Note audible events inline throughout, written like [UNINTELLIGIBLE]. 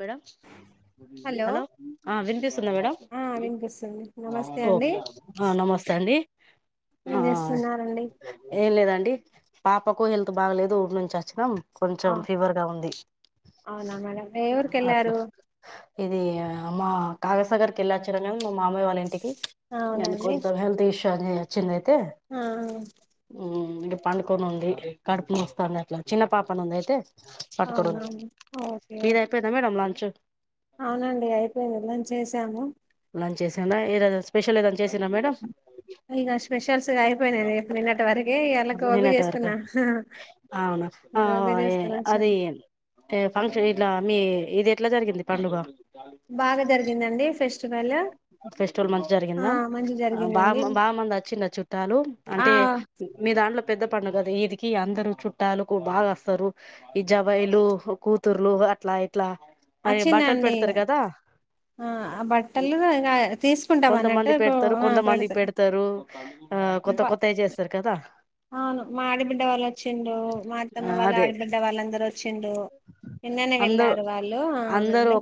Madam hello ఆ వినిపిస్తుందా madam ఆ వినిపిస్తుంది నమస్తే ఓ అండి ఆ నమస్తే అండి ఏం ఆ చేస్తున్నారండి ఏం లేదండి పాపకు హెల్త్ బాగలేదు ఊరి నుంచి వచ్చినాం ఆ కొంచెం ఫీవర్గా ఉంది అవునా మేడం ఏ ఊరికి అట్లా వెళ్లారు ఇది మా కాగసాగరికి వెళ్ళచ్చా కానీ మా మామయ్య వాళ్ళ ఇంటికి ఎని అవునండి కొంత [UNINTELLIGIBLE] [UNINTELLIGIBLE] ఆ ఇంక పండుకొని ఉంది కడుపు నోస్తాంది అట్లా చిన్న పాపను ఉంది అయితే పట్టుకొని ఉంది అవునావున ఓకే ఓకే. మీది అయిపోయేంద మేడం ల చ్చు అవునండి అయిపోయింది లంచ్ చేసాము లంచ్ చేసిన ఏదనా స్పెషల్ ఏదనా చేసినా మేడంమ్ ఇక స్పెషల్స్ అయిపోయినాయ్ ఎప్పు నిన్నటి వరకి ఇయాళ గోబ్బి తినేటి వరకా చేసుకున్నా అవునా ఆ గోబ్బి ఏ చేసుకొన్ని అది వచ్నాను ఏ ఫంక్షన్ ఇట్లా మీ ఇదే బాగా జరిగిందండి ఫెస్ట్ ఫెస్టివల్ మంచి జరిగిందా మంచి బాగా జరిగిందండి బాగా మంది వచ్చిలా చుట్టాలు ఆ అంటే మీ దాంట్లో పెద్ద పండుగ ది ఇదికి అందరు చుట్టాలకు బాగా వస్తారు ఈ జవాయిలు కూతుర్లు అట్లాయి అట్లా అయ బట్టలు వచ్చిందండి పెడతారు కదా ట్టలు అ గా తీసుకుంటాం కొంతమంది అన్నట్టు ప పెడతారు ఉ కొంతమంది పెడుతు పెడతారు ఆ కొత్త బ కొత్తవి చేస్తారు కదా అవును మా ఆడబిడ్డ వాళ్ళు వచ్చిండు, మా అత్తమ్మ ఆ వాళ్ళు అదే ఆడబిడ్డ వాళ్ళందరూ వచ్చిండు, ఎన్ననే అందరు వెళ్ళారు వాళ్ళు అందరు అవునండి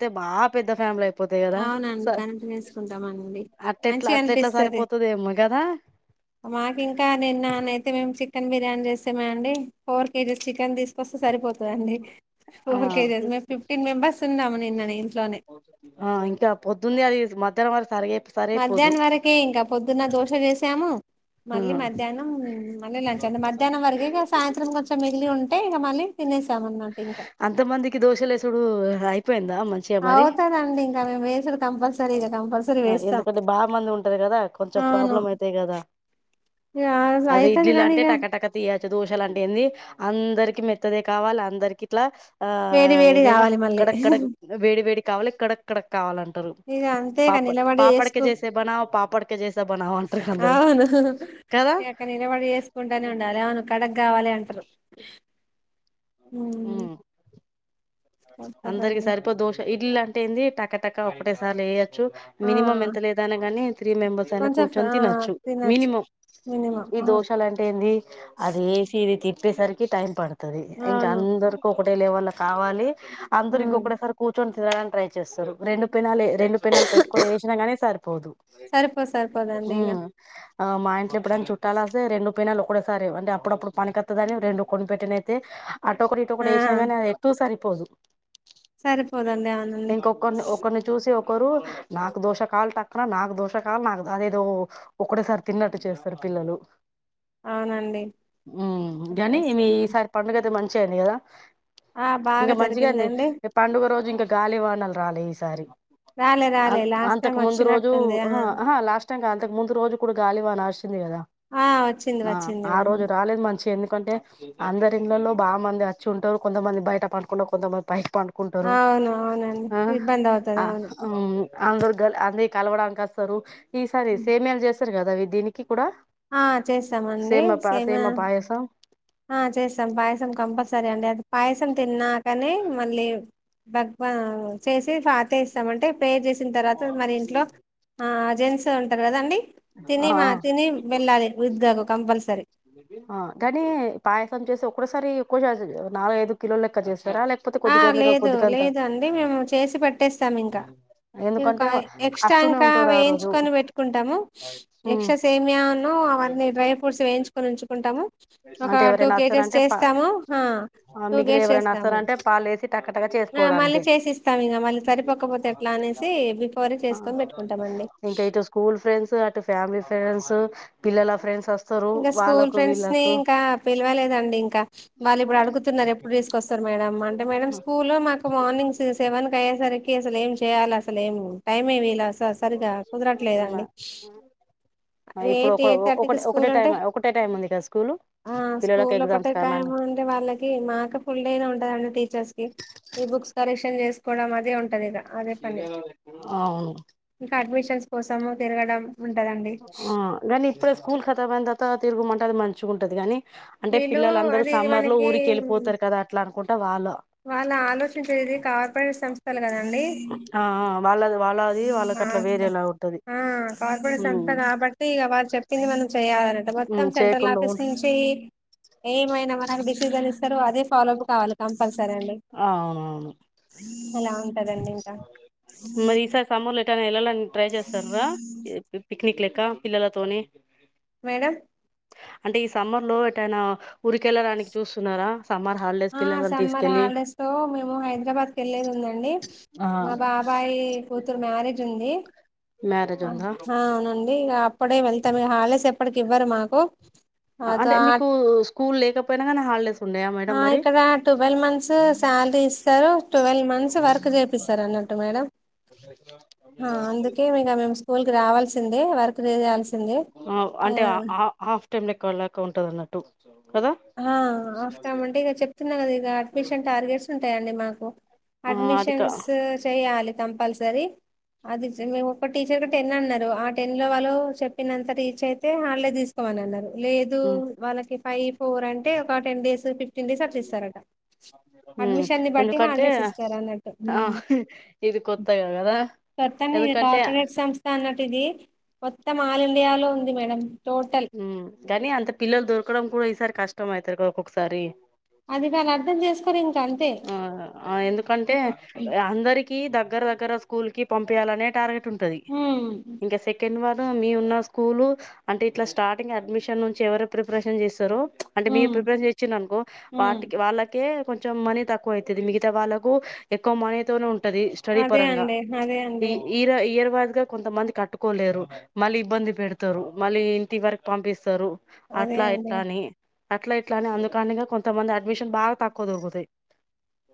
తె బాప్ పెద్ద ఫ్యామిలీ అయిపోతాయి కదా అవునండి స కనింటిన్ వేసుకుంటామనండి, అట్టెట్లా మంచి అట్లెట్లా అనిపిస్తుంది సరిపోతదేమో కదా మాకు ఇంకా నిన్ననైతే మేము చికెన్ బిర్యానీ చేస్తేమ అండి ఫోర్ కేజీస్ చికెన్ తీసుకొస్తే సరిపోతందండి ఆ ఫోర్ కేజెస్మేం ఫిఫ్టీన్ మెంబర్స్ ఉన్నా నిన్న నే ఆ ఇంకా పొద్దుంది అది మధ్యాహంర మధ్యాహ్నం వరకే ఇంకా పొద్దున్న దోశ చేసాము ఆ మళ్ళీ మధ్యాహ్నం మ లంచ అం మధ్యా్ం వరకు ఇక సాయంత్రం కొంచె మిగిలి ఉంటే ఇ మళ్ళి తినేస్ అంత మందికి దోషలేసుడు అయి అవుతదండి ఇంకా మేము మేసర్ కంపల్స ఎందుకంటే బా మంది ఉంటారు కదా కొంచెం ప్రాబ్లం అయితాయి కదా [INAUDIBLE] ఆయితది గానిగ చ్చ దోషలు అంటే ఏంది అందరికీ మెత్తదే కావాలి అందరికి ఇట్లా ఆ వేడి వేడి ఏదం కావాలి మళ్ళీ క్కడ క్కడ వేడి వేడి కావాలి ఎక్కడెక్కడ కావాలంటారు ఇగ అంతే గా పాప నిలబడి పాపడకే చేసుకు చేసే బనావ్ పాపడకే చేసే బనావ్ అంటారు అందరు అవును కదా ఏక నిలబడి చేసుకుంటానే ఉండాలి అవును కడగ్ కావాలి అంటారు అ అందరికి తప్పదండి సర్ప దోష ఇల్లా ది టక టక్క ఒకటే సార్చ్చ ఆ మినిమం ఎంత లేదనగాని త్రీ మెంబర్స్ అయినా కొంచెం ఫ కూర్చొని ఆ తినొచ్చు తినొచ్చు మినిమం మినిమం ఈ అవును దోషాలుంటే ఏంది అదిసి ఇది ప్పేసరికి టైం పడుతుది ఇంకా అవును అందరుకో పటేలే వాల్ల కావాలి అందరి ఇంకా ఒకడే సార్ కం ట్రై చేస్తారు రెండు పెనాలి రెండు పెనాలు పెట్టుకొని వేసినాగానే సరిపోదు సరిపోదు సరిపోదండి ఇగ ఆ మా ఇం ఇప్పుడని చుట్టాలా ఆస్తే రెండు పోయినళ ఒకే సారి అంటే అప్పుడప్పుడు పని కత్తదని రెండు కొనిపెట్టిన అయితే ఆ ఆటోకడిటోకడి వేసిన ఎటు సారి పోదు సరిపోదండి అవునండి ఇంకొరిని ఒకరిని చూసి ఒక ఒరు నాకు దోష కావాలి టక్కన నాకు దోష కావాలి నాకు అదేదో ఒకటేసారి తిన్నట్టు చేస్తారు పిల్లలు అవునండి ఉ అట్లా కానీ మీ చేస్తారు ఇ సారి పండుగ మంచి చ్చడి కదా ఆ ఇంకా బాగా మంచిగా అండి జరిగిందండి పండుగ రోజు ఇంకా గాలివానలు రాలే ఈసారి రాలే రాలే లాస్ట్ టైం అంతకు ముందు రోజు వచ్చినట్టుంది ఆ లాస్ట్ టైం కాదు అంతకు ముందు రోజు కూడా గాలివానా వచ్చింది కదా ఆ వచ్చింది ఆ రోజు వచ్చిందిండి రాలేదు మంచి ఎ అంటే అందరి ఇండ్లల్లో బాగా మంది వచ్చి ఉంటారు కొంతమంది బయట పడుకుంటారు కొంతమంది పైకి పండుకుంటారు అవును అవునండి ఇబ్బంది అవుతది ఆ అవును అందరు గ అందరి కలవడానికి వస్తారు ఈ సారి సేమియాలు చేస్త సార్ కదా అవి దీనికి కూడా ఆ చేస్తామండి సేమ పా సేమియా సేమ పాయసం ఆ చేస సం పాయసం కంపల్సరీ అండి అది పాయసం తిన్నాకని మళ్ళీ భగ్వా చేసి పాత ఇస్తాం అంటే పే చేసిన తర్వాత మరి ఇంట్లో ఆ జెన్ట్స్ ఉంటారు కదాండి తిని ఆ మా తినీ వెళ్ళాలి దుద్గకు కంపల్సరి ఆ కానీ పాయసం చేసి ఒక్కోసారి ఎక్కువ నాలుగు ఐదు కిలో లెక్క చేస్త ఆ లేదు లేదు అండి మేము చేసి పెట్టేస్తాము ఇంకా ఎందుకంటే ఇక ఎక్స్ట్రా వస్తూనే ఇంకా ఉంటారు ఆ రోజు వేయించుకొని పెట్టుకుంటాము ఉమ్ ఎక్స్రా సేమియా ఉన్నా అవన్నీ డ్రై ఫ్రూట్స్ వేయించుకొని ఉంచుకుంటాము ఒక అంటే టూ ఎవరైనా కేజెస్ వస్తారంటే పా చేస్తాము ఆ టూ కేజస్ చేస్తాము. పాలేసి టాక టక ఆ మళ్ళీ చేసుకోవడానికే చేసిస్తాం ఇంక మళ్ళీ సరిపోకపోతే ఎట్లా అనేసి బిఫోరే చేసుకొని పెట్టుకుంటామండి ఇంకా ఇటు స్కూల్ ఫ్రెండ్స్ అటు ఫ్యామిలీ ఫ్రెండ్స్ పిల్లల ఫ్రెండ్స్ వస్తు ఇంకా స్కూల్ ఫ్రెండ్స్ ని ఇంకా పిలవలేదండి ఇంకా వాళ్ళు ఇప్పుడు అడుగుతున్నారు ఎప్పుడు తీసుకొస్తారు మేడమ్ అంటే మేడమ్ స్కూల్ మాకు మార్నింగ్ సెవెన్ కి అయ్యేసరికి అసలు ఏం చేయాలి అసలే ఏం టైమ్ ఎ మిగలదు స సరిగా కుదరట్లేదండి ఇప్పుడు ఎయిట్ ఒక ఎయిట్ ఒక థర్టీకి ఒకటే స్కూల్ అంటే టైం ఒకటే టైం ఉంది కదా స్కూల్ ఆ పిల్లలకు స్కూల్ ఒకటే ఎగ్జామ్స్ కాయ కారణంగా అంటే వాళ్ళకి మాక ఫుల్ డే ఉంటాడండీ టీచర్స్ కి ఈ బుక్స్ కరెక్షన్ చే కూడా మదే ఉంటది ఇద ఆ అవును కోసం తిరగడం ఉంటదండి ఆగానీ ఇప్పుడే స్కూల్ ఖతాబ్ అయి త తిరుగుమంటది మంచి చ్చుకుంటుది కానీ అంటే వీళ్ళు పిల్లలందరూ అది ఇది సమ్మర్ లో మనకి ఊరికి వెళ్ళిపోతారు కదా అట్ అకుంటారు వాళ్ళ వాళ్ళ ఆలోచించేది కార్పొరేట్ సంస్థలు కదండి ఆ వాళ్ళది వాళ్ళది వాళ్ళకి అట్లా వేరేలా ఉంటది ఆ కార్పొరే ఉమ్ సంత కాబట్టి ఇగ వాళ్ళు చెప్ప ప మ చేయాలనంట మొత్తం ఉమ్ సెంట్రల్ చేయకుండా ఆఫీస్ ఉంట నుంచి ఏమైనా మనకు డెసిషన్ ఇస్తారు మనకు ఫాలో అప్ కావాలి కోస్ తప్పల్సర అండి అవునవును అలా ఉంటదండి ఇంకా మరి ఈసారి సమర్ లెటర్ ఎ ట్రై చేస్తార పిక్నిక్ ల ఇక్క పిల్లలతోని మేడం అంటే ఈ సమ్మర్ లో ఎటైనా ఊరికెళ్ళడానికి చూస్తున్నారా? సమ్మర్ హాలిడేస్ ఆ పిల్లలను సమ్మర్ తీసుకెళ్ళి హాలిడేస్ తో మేము హైదరాబాద్కి వెళ్ళేది ఉందండి. మా బాబాయి కూతురు మ్యారేజ్ ఉంది మ్యారేజ్ ఆ ఉందా అవునండి ఇగా అప్పుడే వెళ్తాము హాలిడేస్ ఎప్పుడు ఇవ్వరు మాకు అంటే మీకు స్కూల్ లేకపోయినా కానీ హాలిడేస్ ఉన్నాయా మేడం ఆ మరి ఇక్కడ టువవెల్ మంత్స్ సాలరీ ఇస్తరు టువెల్ మంత్స్ వర్క్ చేపిస్తారు అన్నట్టు మేడం ఆ అందుకే మేం స్కూల్ కి రావాల్సిందే వర్క్ ఆ అంటే ఆ ఆ హాఫ్ టైమ్ లెక్క వెళ్ళక ఉంటది అన్నట్టు కదా ఆ హాఫ్ టైమంటే ఇగ చెప్తున్నా కదా ఇక అడ్మిషన్ టార్గెట్స్ ఉం ఉంటాయండి మాకు ఆ అది కా అడ్మిషన్స్ చేయాలి కంపల్సరి అది ఇడ్సి మేమూ ఒక టీచర్గా టెన్ అన్నరు ఆ టెన్ లో వాళ్ళు చెప్పినంత రీచ్ అయితే హాలిడే తీసుకో మనన్నరు లేదు ఉమ్ వాళ్ళకి ఫైఫ్ ఫోర్ అంటే ఒక ten days fifteen days అట్ ఇస్తారుట ఉమ్ అడ్మిషన్ బట్టి హార్ ఎందుకంటే డేస్ ఇస్తారు అన్నట్టు ఆ ఇది కొత్తగా కదా కొత్తాం ఎందుకంటే కార్పొరేట్ సంస్థ అన్నట్టు ఇది మొత్తం ఆల్ ఇండియాలో ఉంది మేడం టోటల్ గగాని అంత పిలలు దొర్కు ఇక్కడం కూడా ఈసారి కష్టం అవుతారుక్కొక్కసారి అది కాని అర్థం చేసుకొని ఇంకా అంతే ఆ ఎందుకంటే అందరికి దగ్గర దగ్గర స్కూల్ క పంపాలనే టార్గెట్ ఉంటది ఉమ్ ఇంకా సెకండ్ వార్ మీ ఉన్న స్కూల్ అంటే ఇట్లా స్టార్టింగ్ అడ్మిషన్ నుంచి ఎవరు ప్రిపరేషన్ చేస్తారో అంటే మీరు ఉమ్ ప్రిపరన్స్ చేచ్చిననుకో హ్మ్ వాటికి వాళ్ళకే కొంచెం మని తక్కువ అవుతుది మిగా వాళ్ళకు ఎక్కువ మనీతోనే ఉ ది స్టడి అదే పరంగా అండి అదే అండి ఇయర్వాద [UNINTELLIGIBLE] కొంతమంది కట్టుకోలేరు మళ్ళీ ఇబ్బంది పెడుతారు మళ్ళీ ఇంటి వరకు పంపిస్తారు. అదే అట్లా అండి ఇట్లా అని అట్లా ఇట్లా అనే అందుకనేగా కొంతమంది అడ్మిషన్ బాగా తక్కువ దొరుకుతాయి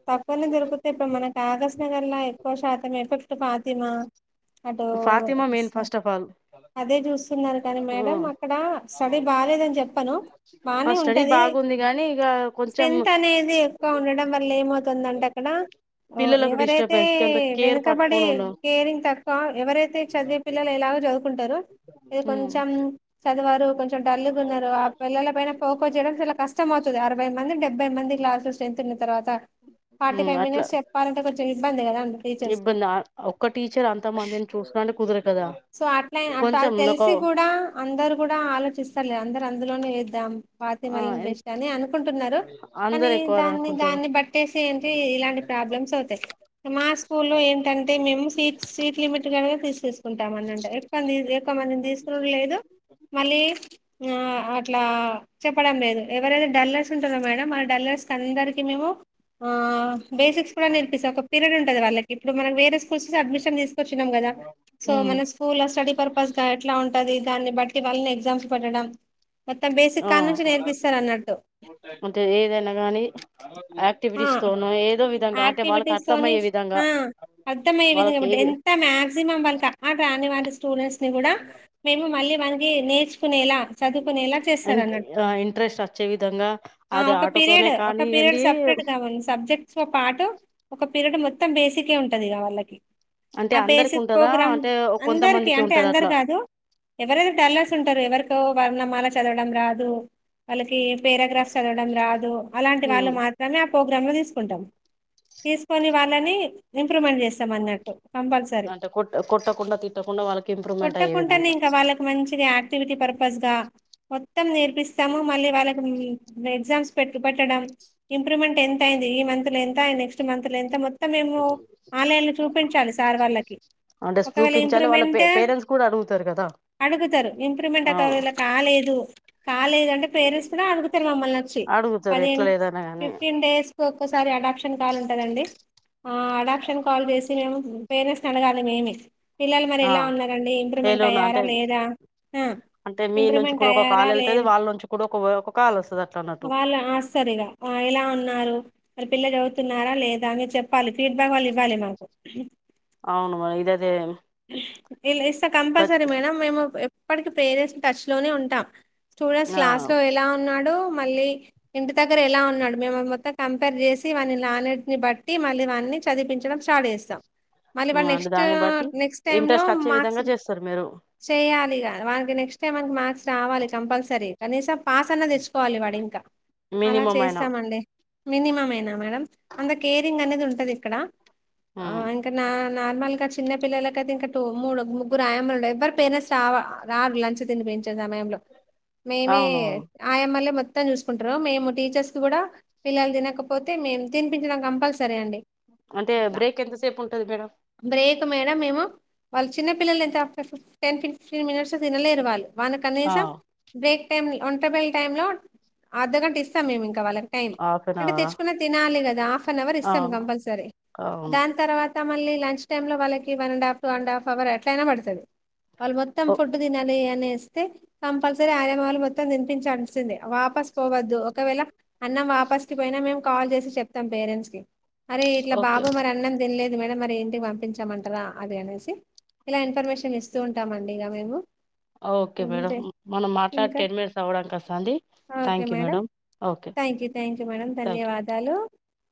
తక్కువనే దొరుకుతే ఇప్పుడు మనకి ఆకాశ్ నగర్ లా ఎక్కువ శాతం అయితే టు పాతీమా అటు Fatima main first of all అదే చూస్తున్నారు కానీ మేడం అక్కడ స్టడీ బాలేదని చెప్పను మా బానే స్టడీ ఉంటది బాగుంది గానీ ఇక కొంచెం స్ట్రెంత్ అనేది ఎక్కువ ఉండడం వ తుందంటే అక్కడ పిల్లలకు ఎవరైతే డిస్టర్బెన్స్ కొంత కేర్ వెనుకబడి పట్టుకొని ఉండ కేరింగ్ తక్కువ ఎవరైతే చదివే పిల్లలు ఎలాగో చదువుకుంటారు ఈ కొంచెం చదివరు [INAUDIBLE] డల్లుగున్నారు ఆ పిల్లల పైన పోకోస్ చేయడం చాలా కష్టం అవుతుది అరవై మంది డెబ్బై మంది క్లాసులు స్ట్రెంత్ ఉన్న తరవా త ఫార్టీ ఉమ్ ఫైవ్ అట్లా మినిట్స్ చెలంటే కొంచెం ఇబ్బంది కదండి టీచర్స్ కి ఇబ్బంది ఒక్క టీచర్ అంత మందిని చూసుకుంటే కుదరదు కదా సో అట్నే అ కొంచెం ఒక తెలిసి కూడా అందరూ కూడా ఆలోచిస్తారులే అందరూ అందులోనే డాం ఫాతిమా ఆ లన్ బెష్ట్ అని అనుకుంటున్నారు కానీ అందరు ఎక్కువ దాన్ని అనుకుంటారు దాన్ని బ [UNINTELLIGIBLE] ఇలాంటి ప్రాబ్లమ్స్ అవుతాయి మా స్కూల్లో ఏంటంటే మేము సీట్ సీట్ లిమిట్ క తీసేసుకుంటాం అన్నట్టు కొంతమంది తీసుకునుడు లేదు మళ్ళీ అట్లా చెప్పడం లేదు ఎవరైతే డల్లర్స్ ఉంటారో మేడం ఆ డల్లర్స్ అందరికి మేము ఆ బేసిక్స్ కూడా నేర్పిస్తా ఒక పీరియడ్ ఉంటది వాళ్ళకి ఇప్పుడు మనం వేరే స్కూల్స్ అడ్మిషన్ తీసుకొచ్చినాం కదా సో ఉమ్ మన స్కూల్ స్టడీ పర్పస్ గా ఎట్లా ఉంటది దాన్ని బట్టి వాళ్ళని ఎగ్జామ్స్ పెట్టడం మొత్తం బేసిక్ ఆ కా నుంచి నేర్పిస్తారు అన్నట్టు అంటే ఏదైనా గానీ ఆ యాక్టివిటీస్ తోనో ఏదో వి యాక్టివిటీస్ తోని ఆ అర్థంమయ్యే విది వాళ్ళకి కాబట్టి ఏ ఎంత మాక్సిమం వాళ్ళకి అఆ రాని ఇలాంటి స్టూడెంట్స్ వెళ్తే కూడా మేము మళ్ళీ మనకి నేర్చుకునేలా చదువుకునేలా ఇ చేస్తారు అన్నట్టు ఇంట్రెస్ట్ వచ్చే విధంగా ఆ అది ఒక పీరియడ్ ఆటోతోనే కానీ ఏండి సో పాటు ఒక పీరియడ్ మొత్తం బేసికే ఉంటదిగా వాళ్ళకి అంటే ఆ అందరికి బేసిక్ ఉంటదా ప్రోగ్రామ్ అంటే అందరికి కొంతమందికి అంటే ఉంటది అందరు అట్లా కాదు ఎవరైతే డల్లర్స్ ఉంటారో ఎవరి [UNINTELLIGIBLE] మన చదవడం రాదు వాళ్ళకి పేరాగ్రాఫ్స్ చదవడం రాదు అలాంటి ఉమ్ వాళ్ళు మాత్రమే ప్రోగ్రామ్ లు తీస్ కుంటాం తీసుకొని వాళ్ళని ఇంప్రూవ్మెంట్ చేస్తాం అన్నటు అంటే కొట్ట కొట్టకుండా తిట్టకుండా వాళ్ళకి ఇంప్రూవ్మెంట్ అయ్యే విధంగా ఆక్టివిటీ పర్పస్ గా మొత్ మొత్తం నేర్పిస్తాము మళ్ళీ వాళ్ళకి ఎగ్జామ్స్ పెట్టు పెట్టడం ఇంప్రూవ్మెంట్ ఎంత అయింది ఈ మంత్లో ఎంత నెక్స్ట్ మంత్లో ఎంత మో మొత్తంమేము ఆలయాలు చూపించాలి సార్ వాళ్ళకి అంటే ఒక వేళ చూపించాలి వాళ్ళ పే ఇంప్రూవ్మెంట్ పేరెంట్స్ కూడా అడుగుతారు కదా అడుగుతారు ఇంప్రూవ్మెంట్ ఆ ఒక వేళ కాలేదు కాలేదు అంటే పేరెంట్స్ కూడా అడుగుతారు మమ్మల్ని వచ్చి అడుగుతారు ఎట్లా పదిహేన్ లేదనా గాని ఫిఫ్టీన్ డేస్ ఒకసారి అడాప్షన్ కాల్ ఉంటదండి ఆ అడాప్షన్ కాల్ చేసి మేము పేరెంట్స్ నీ అడగాలి మేమే పిల్లలు మరి ఆ ఎలా ఉన్నారండి ఇంప్రూవ్మెంట్ ఏలోన అయ్యారా అంటే లేదా ఆ అంటే మీ నుంచి ఇంప్రూవ్మెంట్ కూడా ఒక అయ్యారా కాల్ వెళ్తది లేద్ వాళ్ళ నుంచి కూడా ఒక ఒక కాల్ వస్తది అట్లా అన్నట్టు వాళ్ళు ఆస్తరిగా ఎలా ఉన్నారు వాళ్ళ పిల్లచదువుతున్నారా లేదా అని చెప్పాలి ఫీడ్బ్యాక్ వాళ్ళు ఇవ్వాలి మాకు అవును మరి ఇదతే ఇలా ఇస్తే కంపల్సరీ మేడం మేము ఇప్పటికి ప్రేరేస్ టచ్ లోనే ఉంటా స్టూడెంట్స్ ఆ క్లాస్ లో ఎలా ఉన్నా డు మళ్ళీ ఇంటి దగ్గర ఎలా ఉన్నాడు మే మొత్తం కంపేర్ చేసి వా నాలెడ్జ్ ని బట్టి మళ్ళీ వాని చదిపించడం స్టార్ట్ చేస్తాం మళ్ళీ వాడు అంటే నెక్స్ట్ దాన్ని బట్టి నెక్స్ట్ ఇంట్రెస్ట్ వచ్చే విధంగా చేస్తారు మీరు చెయాలి వానకి నెక్స్ట్ టైమ్ మనకి మార్క్స్ రావాలి కంపల్సరీ కనీసం పాస్ అన్న తెచ్చు కోవాలి వాడు ఇంకా అలా మినిమం అయినా చేస్తామండి మినిమం అయినా మేడం అంత కేరింగ్ అనేది ఉంటది ఇక్కడ ఆ ఉమ్ ఇంకా నా నార్మల్ గా చిన్న పిల్లకైతే ఇంకా టూ మూడు ముగ్గురు ఆయామలు డైపర్ పేరెంట్స్ రావ రారు లంచ తిని పించే సమయంలో మేమే అవునవును ఆయమ్మలే మోత్ మొత్తం చూసుకుంటారు మేము టీచర్స్ కి కూడా పిల్లలు తినకపోతే మేము తినిపించడం కంపల్సరీ అండి అంటే బ్రేక్ ఎంతసేపు ఉంటది మేడం మేడ మేము వాళ్ళ చిన్న పిల్లలు ఎంత అఫస టెన్ ఫిఫటీన్ మినిట్స్ తినలేరు వాళ్లు వాన ఆ కనీసం బ్రేక్ టైమ్ ని ఒంటబయల్ టైమ్ లో అర్ధగంట ఇస్తాం మేము ఇంకా వాళ్ళకి టైం హాఫ్ అన్ అంటే అవరా తెచ్చుకున్నాది తినాలి కదా దాఫ్ ఆఫ్నవర్ ఇస్తాం అవును కంపల్సరీ అవును దాని తర్వత్ మళ్ళీ లంచ్ టైమ్ లో వాళ్ళకి one and half two and half hour అట్లయినా పడుతది వాళ్ మొత్తం ఓ ఫుడ్ దినాలి అనే స్తే కంపల్సరీ ఆయానామాలు మొత్తం తినిపించాల్సింది వాపస్ పోవద్దు ఒకవేళ అన్నం వాపస్ కి పోయినా మేము కాల్ చేసి చెప్తాం పేరెంట్స్ కి అరే ఇట్లా ఓకే బాబు మరి అన్నం తిన్లే ది మేడం మరి ఇంటికి పంపించామంటారా అది అనేసి ఇలా ఇన్ఫర్మేషన్ ఇస్ స్తు ఉంటామండి ఇగ మేము ఓకే మేడం అంతే మనం మాట్లాడి ఇంకా టెన్ మినిట్స్ అవ్వడాని కస్తాంది thank you madam okay thank you thank you madam thank you ధన్యవాదాలు